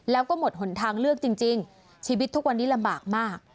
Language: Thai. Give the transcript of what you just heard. แล้วก็หมดหนทางเลือกจริงชีวิตทุกวันนี้ลำบากมาก